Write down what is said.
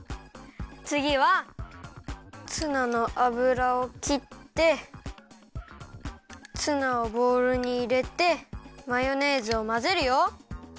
つぎはツナのあぶらをきってツナをボウルにいれてマヨネーズをまぜるよ。